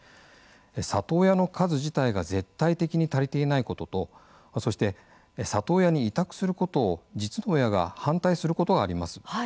里親の数自体が絶対的に足りていないこととそして里親に委託することを実の親が反対することがあります。